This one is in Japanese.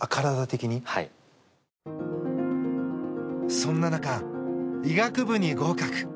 そんな中、医学部に合格。